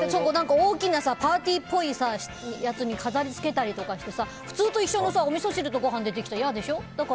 大きなパーティーっぽいやつに飾り付けたりとかしてさ普通と一緒のさおみそ汁と、ご飯が出てきたら嫌でしょ。